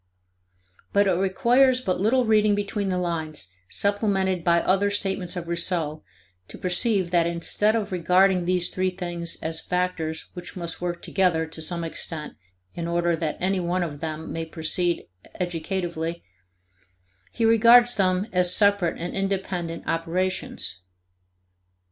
But it requires but little reading between the lines, supplemented by other statements of Rousseau, to perceive that instead of regarding these three things as factors which must work together to some extent in order that any one of them may proceed educatively, he regards them as separate and independent operations.